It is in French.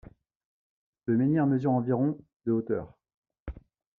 Le menhir mesure environ de hauteur.